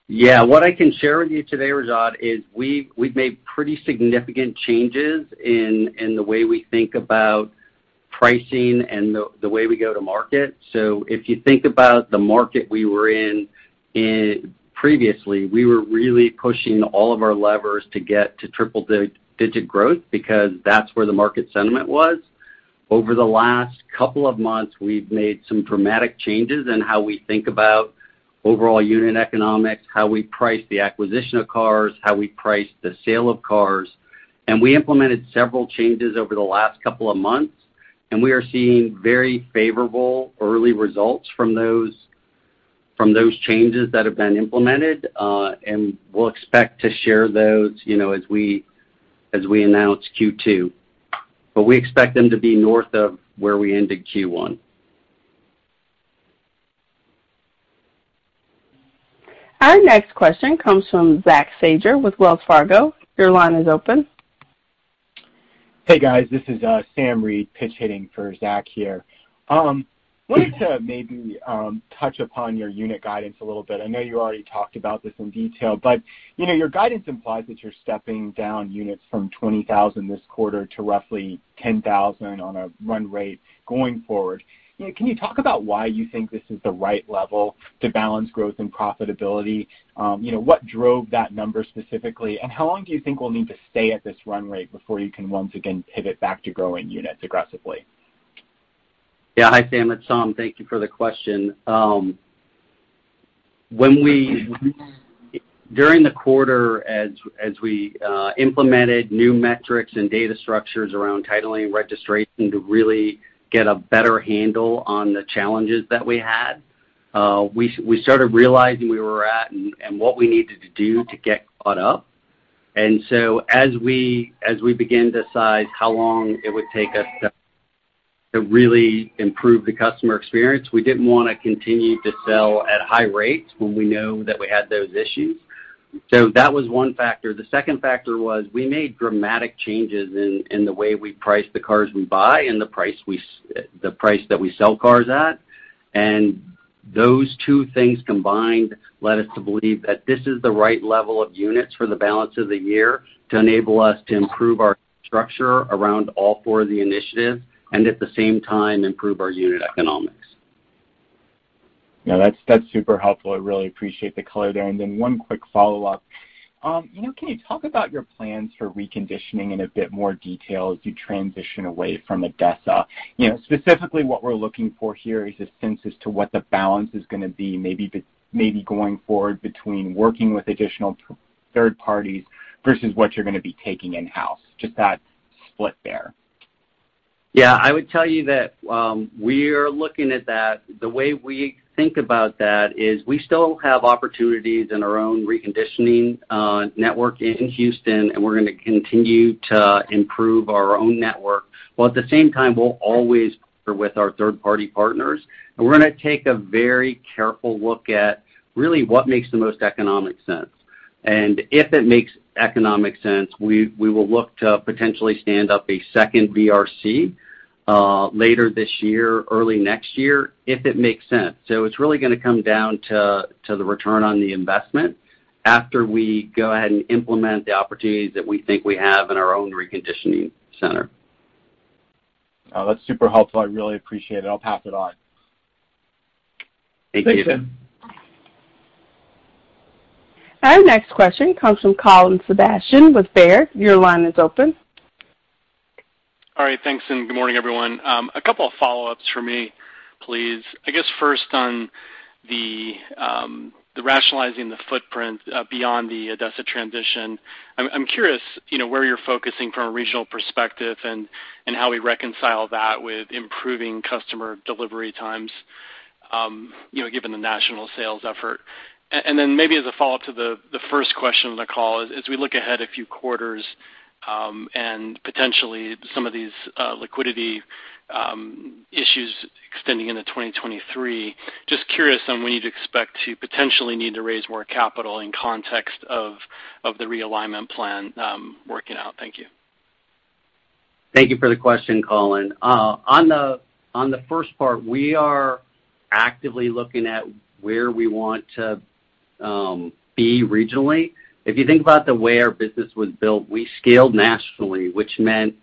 Yeah. What I can share with you today, Rajat, is we've made pretty significant changes in the way we think about pricing and the way we go to market. If you think about the market we were in previously, we were really pushing all of our levers to get to triple-digit growth because that's where the market sentiment was. Over the last couple of months, we've made some dramatic changes in how we think about overall unit economics, how we price the acquisition of cars, how we price the sale of cars, and we implemented several changes over the last couple of months, and we are seeing very favorable early results from those changes that have been implemented, and we'll expect to share those, you know, as we announce Q2. We expect them to be north of where we ended Q1. Our next question comes from Zach Fadem with Wells Fargo. Your line is open. Hey, guys. This is Sam Reid pitch hitting for Zach here. Wanted to maybe touch upon your unit guidance a little bit. I know you already talked about this in detail, but, you know, your guidance implies that you're stepping down units from 20,000 this quarter to roughly 10,000 on a run rate going forward. You know, can you talk about why you think this is the right level to balance growth and profitability? You know, what drove that number specifically, and how long do you think we'll need to stay at this run rate before you can once again pivot back to growing units aggressively? Yeah. Hi, Sam. It's Tom, thank you for the question. During the quarter as we implemented new metrics and data structures around titling and registration to really get a better handle on the challenges that we had, we started realizing where we were at and what we needed to do to get caught up. As we began to decide how long it would take us to really improve the customer experience, we didn't wanna continue to sell at high rates when we know that we had those issues. That was one factor. The second factor was we made dramatic changes in the way we price the cars we buy and the price that we sell cars at. Those two things combined led us to believe that this is the right level of units for the balance of the year to enable us to improve our structure around all four of the initiatives and, at the same time, improve our unit economics. No, that's super helpful. I really appreciate the color there. Then one quick follow-up. You know, can you talk about your plans for reconditioning in a bit more detail as you transition away from ADESA? You know, specifically what we're looking for here is a sense as to what the balance is gonna be, maybe going forward between working with additional third parties versus what you're gonna be taking in-house, just that split there? Yeah. I would tell you that, we're looking at that. The way we think about that is we still have opportunities in our own reconditioning network in Houston, and we're gonna continue to improve our own network. At the same time, we'll always partner with our third-party partners and we're gonna take a very careful look at really what makes the most economic sense. If it makes economic sense, we will look to potentially stand up a second VRC, later this year, early next year if it makes sense. It's really gonna come down to the return on the investment after we go ahead and implement the opportunities that we think we have in our own reconditioning center. Oh, that's super helpful. I really appreciate it. I'll pass it on. Thank you. Our next question comes from Colin Sebastian with Baird. Your line is open. All right, thanks, and good morning, everyone. A couple of follow-ups for me, please. I guess first on the rationalizing the footprint beyond the ADESA transition. I'm curious, you know, where you're focusing from a regional perspective and how we reconcile that with improving customer delivery times, you know, given the national sales effort. Then maybe as a follow-up to the first question on the call, as we look ahead a few quarters and potentially some of these liquidity issues extending into 2023, just curious on when you'd expect to potentially need to raise more capital in context of the realignment plan working out? Thank you. Thank you for the question, Colin. On the first part, we are actively looking at where we want to be regionally. If you think about the way our business was built, we scaled nationally, which meant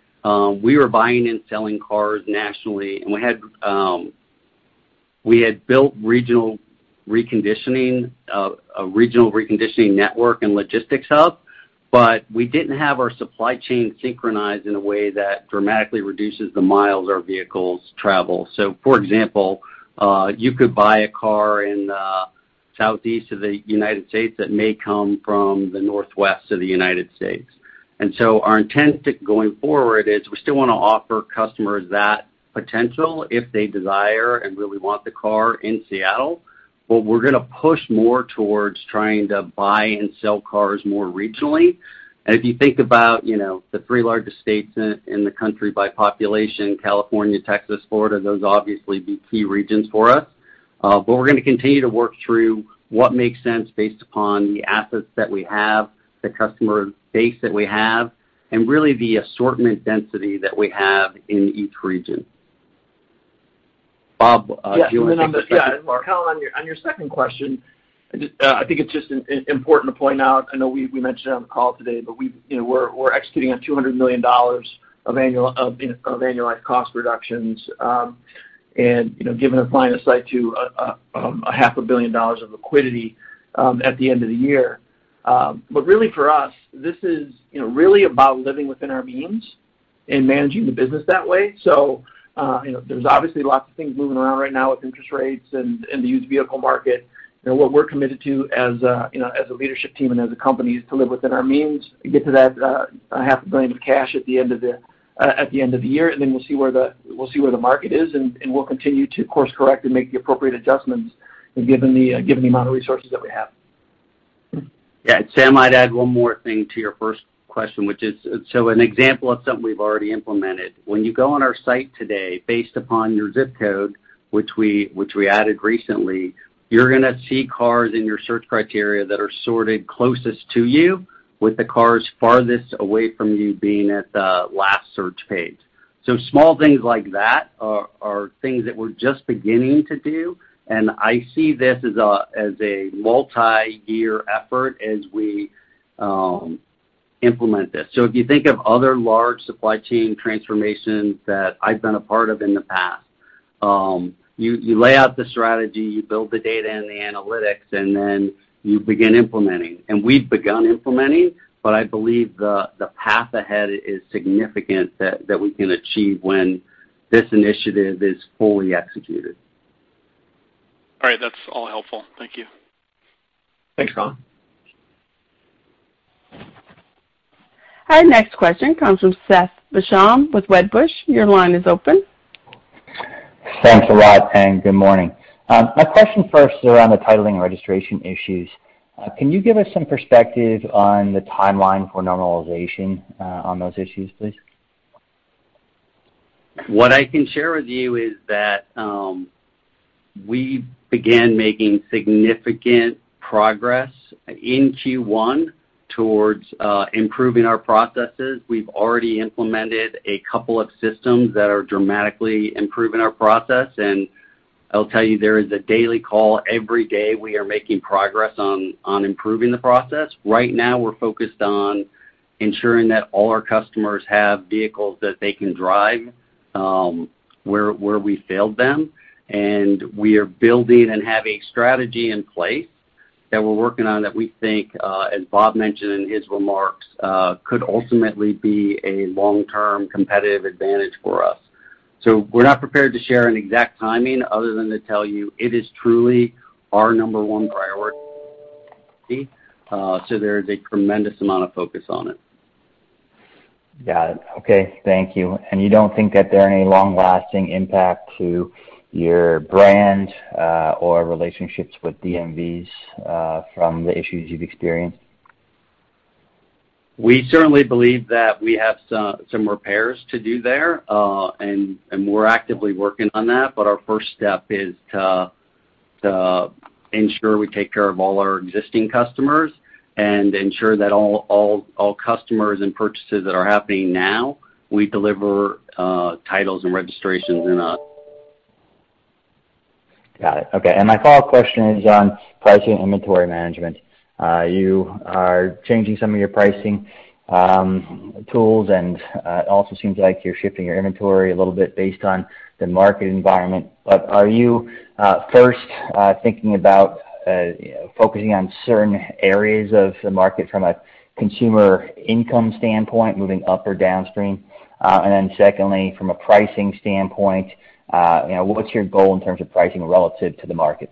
we were buying and selling cars nationally, and we had built regional reconditioning, a regional reconditioning network and logistics hub, but we didn't have our supply chain synchronized in a way that dramatically reduces the miles our vehicles travel. For example, you could buy a car in southeast of the United States that may come from the northwest of the United States. Our intent going forward is we still wanna offer customers that potential if they desire and really want the car in Seattle. Well, we're gonna push more towards trying to buy and sell cars more regionally. If you think about, you know, the three largest states in the country by population, California, Texas, Florida, those obviously be key regions for us. But we're gonna continue to work through what makes sense based upon the assets that we have, the customer base that we have, and really the assortment density that we have in each region. Bob, do you wanna take the second- Mark, on your second question, I think it's just important to point out. I know we mentioned it on the call today, but, you know, we're executing on $200 million of annualized cost reductions, and, you know, giving a line of sight to half a billion dollars of liquidity at the end of the year. But really for us, this is, you know, really about living within our means and managing the business that way. You know, there's obviously lots of things moving around right now with interest rates and the used vehicle market. You know, what we're committed to as you know, as a leadership team and as a company is to live within our means to get to that $500 million of cash at the end of the year. We'll see where the market is, and we'll continue to course-correct and make the appropriate adjustments given the amount of resources that we have. Yeah. Sam, I'd add one more thing to your first question, which is so an example of something we've already implemented. When you go on our site today, based upon your ZIP Code, which we added recently, you're gonna see cars in your search criteria that are sorted closest to you with the cars farthest away from you being at the last search page. Small things like that are things that we're just beginning to do, and I see this as a multi-year effort as we implement this. If you think of other large supply chain transformations that I've been a part of in the past, you lay out the strategy, you build the data and the analytics, and then you begin implementing. We've begun implementing, but I believe the path ahead is significant that we can achieve when this initiative is fully executed. All right. That's all helpful. Thank you. Thanks, Colin. Our next question comes from Seth Basham with Wedbush. Your line is open. Thanks a lot and good morning. My question first is around the titling and registration issues. Can you give us some perspective on the timeline for normalization, on those issues, please? What I can share with you is that we began making significant progress in Q1 towards improving our processes. We've already implemented a couple of systems that are dramatically improving our process. I'll tell you, there is a daily call every day we are making progress on improving the process. Right now we're focused on ensuring that all our customers have vehicles that they can drive where we failed them. We are building and have a strategy in place that we're working on that we think, as Bob mentioned in his remarks, could ultimately be a long-term competitive advantage for us. We're not prepared to share an exact timing other than to tell you it is truly our number one priority. There is a tremendous amount of focus on it. Got it. Okay. Thank you. You don't think that there are any long-lasting impact to your brand, or relationships with DMVs, from the issues you've experienced? We certainly believe that we have some repairs to do there and we're actively working on that, but our first step is to ensure we take care of all our existing customers and ensure that all customers and purchases that are happening now, we deliver titles and registrations in a. Got it. Okay. My follow-up question is on pricing inventory management. You are changing some of your pricing tools, and it also seems like you're shifting your inventory a little bit based on the market environment. Are you first thinking about focusing on certain areas of the market from a consumer income standpoint, moving up or downstream? Then secondly, from a pricing standpoint, you know, what's your goal in terms of pricing relative to the market?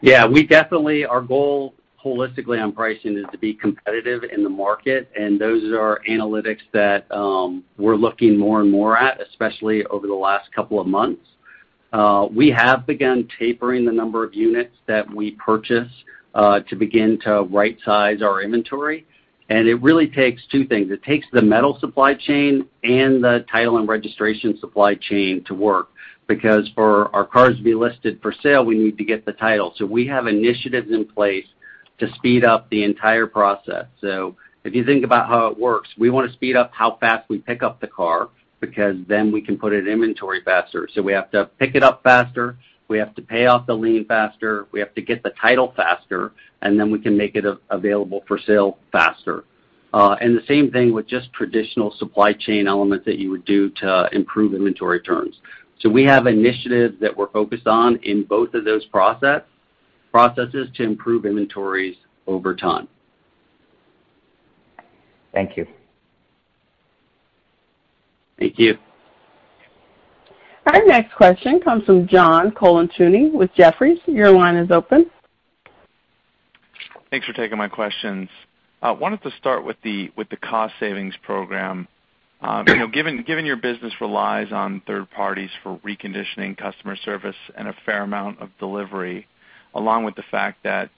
Yeah. We definitely. Our goal holistically on pricing is to be competitive in the market and those are analytics that we're looking more and more at, especially over the last couple of months. We have begun tapering the number of units that we purchase to begin to right-size our inventory. It really takes two things. It takes the metal supply chain and the title and registration supply chain to work. Because for our cars to be listed for sale, we need to get the title. We have initiatives in place to speed up the entire process. If you think about how it works, we wanna speed up how fast we pick up the car because then we can put it in inventory faster. We have to pick it up faster, we have to pay off the lien faster, we have to get the title faster, and then we can make it available for sale faster. The same thing with just traditional supply chain elements that you would do to improve inventory terms. We have initiatives that we're focused on in both of those processes to improve inventories over time. Thank you. Thank you. Our next question comes from John Colantuoni with Jefferies. Your line is open. Thanks for taking my questions. I wanted to start with the cost savings program. You know, given your business relies on third parties for reconditioning customer service and a fair amount of delivery, along with the fact that,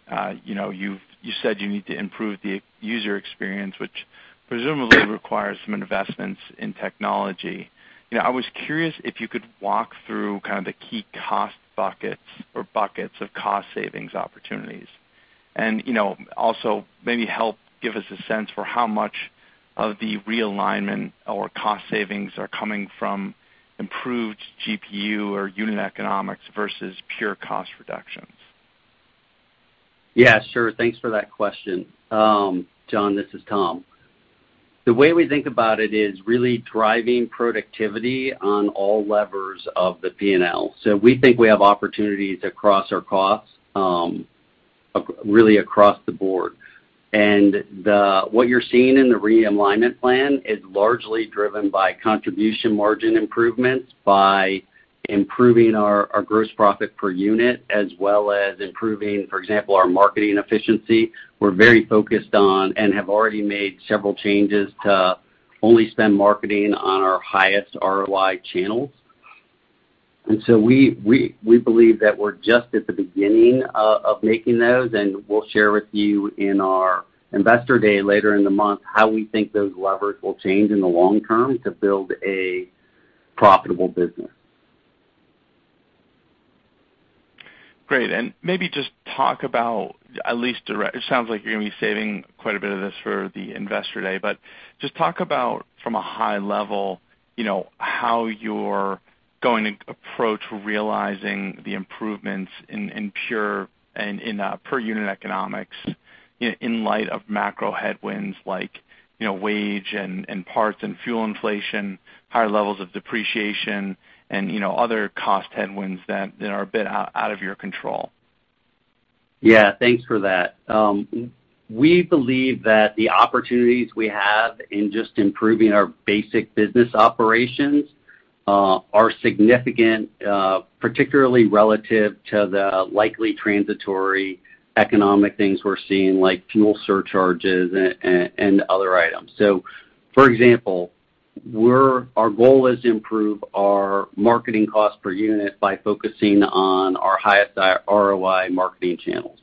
you know, you said you need to improve the user experience, which presumably requires some investments in technology? You know, I was curious if you could walk through kind of the key cost buckets or buckets of cost savings opportunities. You know, also maybe help give us a sense for how much of the realignment or cost savings are coming from improved GPU or unit economics versus pure cost reductions? Yeah, sure. Thanks for that question. John, this is Tom. The way we think about it is really driving productivity on all levers of the P&L. We think we have opportunities across our costs, actually really across the board. What you're seeing in the realignment plan is largely driven by contribution margin improvements by improving our gross profit per unit, as well as improving, for example, our marketing efficiency. We're very focused on and have already made several changes to only spend marketing on our highest ROI channels. We believe that we're just at the beginning of making those, and we'll share with you in our Investor Day later in the month how we think those levers will change in the long term to build a profitable business. Great. Maybe just talk about at least. It sounds like you're gonna be saving quite a bit of this for the Investor Day but just talk about from a high level, you know, how you're going to approach realizing the improvements in GPU and in per unit economics in light of macro headwinds like, you know, wage and parts and fuel inflation, higher levels of depreciation and, you know, other cost headwinds that are a bit out of your control? Yeah, thanks for that. We believe that the opportunities we have in just improving our basic business operations are significant, particularly relative to the likely transitory economic things we're seeing, like fuel surcharges and other items. For example, our goal is to improve our marketing cost per unit by focusing on our highest ROI marketing channels.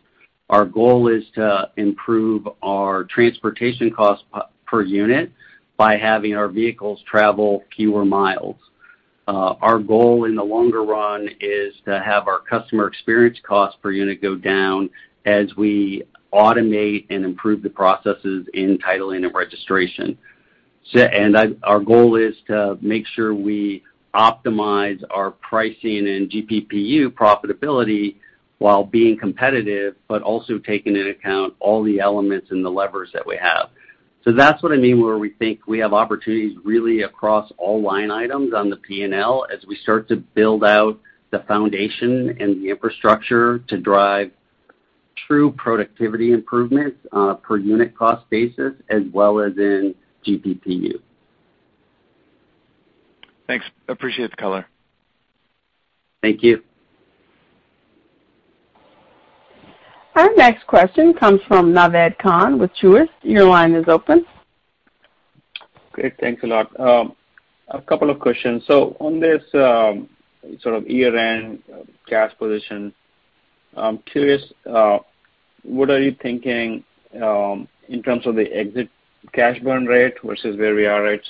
Our goal is to improve our transportation costs per unit by having our vehicles travel fewer miles. Our goal in the longer run is to have our customer experience cost per unit go down as we automate and improve the processes in titling and registration. Our goal is to make sure we optimize our pricing and GPPU profitability while being competitive but also taking into account all the elements and the levers that we have. That's what I mean where we think we have opportunities really across all line items on the P&L as we start to build out the foundation and the infrastructure to drive true productivity improvements, per unit cost basis as well as in GPPU. Thanks. Appreciate the color. Thank you. Our next question comes from Naved Khan with Truist. Your line is open. Great. Thanks a lot. A couple of questions. On this, sort of year-end cash position, I'm curious, what are you thinking, in terms of the exit cash burn rate versus where we are right?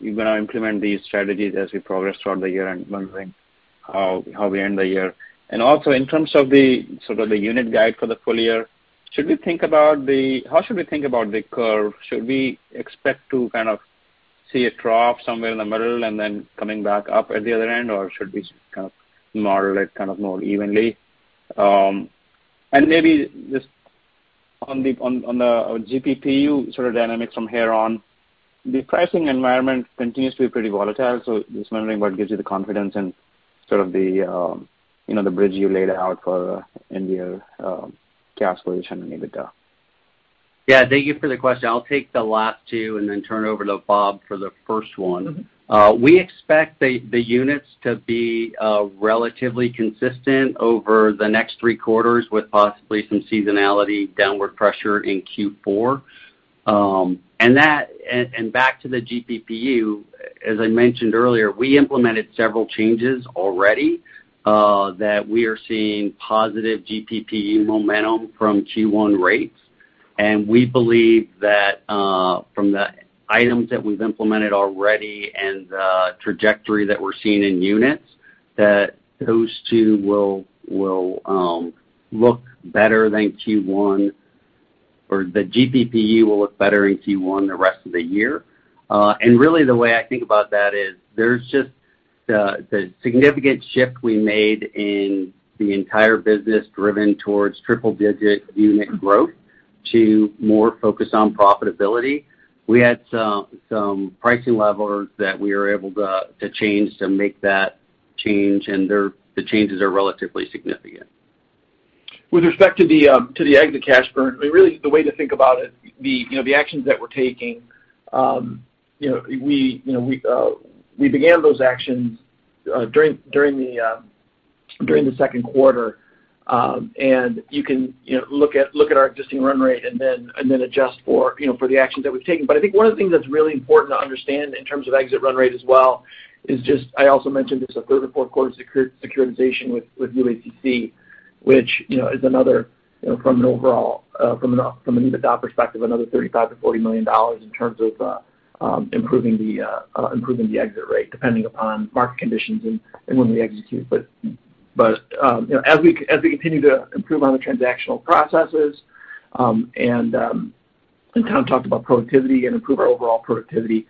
You're gonna implement these strategies as we progress toward the year-end wondering how we end the year? In terms of the sort of unit guide for the full year, should we think about the-how should we think about the curve? Should we expect to kind of see a drop somewhere in the middle and then coming back up at the other end, or should we kind of model it kind of more evenly? Maybe just on the GPPU sort of dynamics from here on, the pricing environment continues to be pretty volatile, so just wondering what gives you the confidence and sort of the, you know, the bridge you laid out for end year, cash position and EBITDA? Yeah. Thank you for the question. I'll take the last two and then turn over to Bob for the first one. We expect the units to be relatively consistent over the next three quarters with possibly some seasonality downward pressure in Q4. Back to the GPPU, as I mentioned earlier, we implemented several changes already that we are seeing positive GPPU momentum from Q1 rates. We believe that from the items that we've implemented already and the trajectory that we're seeing in units, that those two will look better than Q1 or the GPPU will look better in Q1 the rest of the year. Really the way I think about that is there's just the significant shift we made in the entire business driven towards triple digit unit growth to more focus on profitability. We had some pricing levers that we were able to change to make that change and the changes are relatively significant. With respect to the exit cash burn, I mean, really the way to think about it, you know, the actions that we're taking, you know, we began those actions during the second quarter. You can, you know, look at our existing run rate and then adjust for, you know, for the actions that we've taken. I think one of the things that's really important to understand in terms of exit run rate as well is just I also mentioned there's a third or fourth quarter securitization with UACC, which, you know, is another, you know, from an overall, from an EBITDA perspective, another $35 million-$40 million in terms of improving the exit rate, depending upon market conditions and when we execute. You know, as we continue to improve on the transactional processes, and kind of talked about productivity and improve our overall productivity,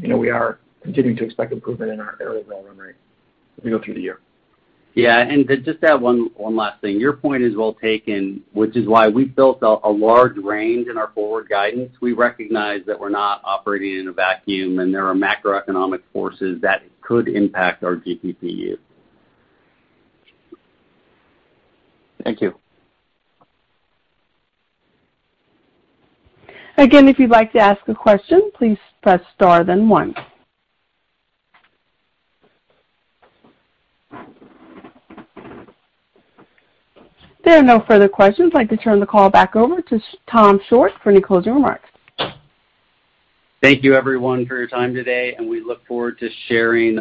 you know, we are continuing to expect improvement in our EBITDA run rate as we go through the year. Yeah. To just add one last thing. Your point is well taken, which is why we've built a large range in our forward guidance. We recognize that we're not operating in a vacuum, and there are macroeconomic forces that could impact our GPPU. Thank you. Again, if you'd like to ask a question, please press star then one. There are no further questions. I'd like to turn the call back over to Tom Shortt for any closing remarks. Thank you everyone for your time today, and we look forward to sharing,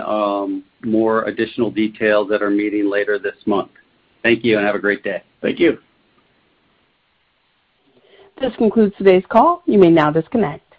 more additional details at our meeting later this month. Thank you and have a great day. Thank you. This concludes today's call. You may now disconnect.